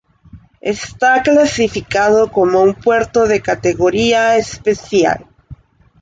Está clasificado como un puerto de categoría especial.